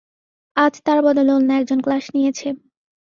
আজ তার বদলে অন্য একজন ক্লাস নিয়েছে।